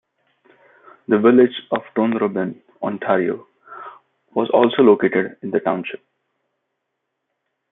The village of Dunrobin, Ontario was also located in the township.